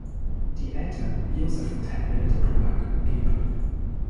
Die Eltern, Josef und Henriette Polak, geb.